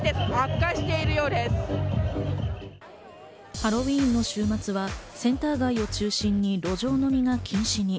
ハロウィーンの週末はセンター街を中心に路上飲みが禁止に。